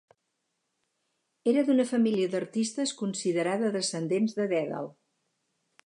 Era d'una família d'artistes considerada descendents de Dèdal.